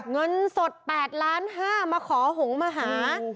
เงินสด๘๕๐๐๐๐๐มาขอหงมาหา